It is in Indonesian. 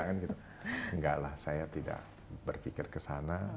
enggak lah saya tidak berpikir ke sana